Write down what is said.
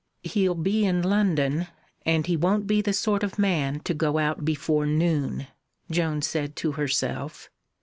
"He'll be in London, and he won't be the sort of man to go out before noon," Joan said to herself.